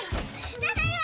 ただいま！